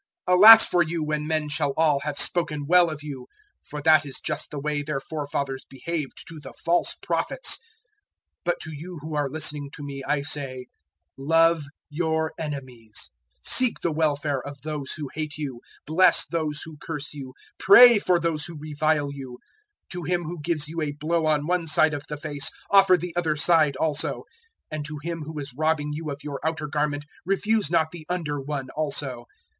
006:026 "Alas for you when men shall all have spoken well of you; for that is just the way their forefathers behaved to the false Prophets! 006:027 "But to you who are listening to me I say, Love your enemies; seek the welfare of those who hate you; 006:028 bless those who curse you; pray for those who revile you. 006:029 To him who gives you a blow on one side of the face offer the other side also; and to him who is robbing you of your outer garment refuse not the under one also.